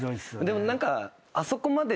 でも何か。